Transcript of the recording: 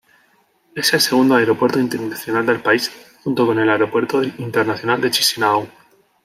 Es el segundo aeropuerto internacional del país, junto con el Aeropuerto Internacional de Chisinau.